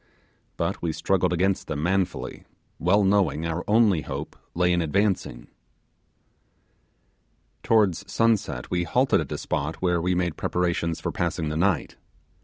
But we struggled against them manfully, well knowing our only hope lay in advancing. Towards sunset we halted at a spot where we made preparations for passing the night.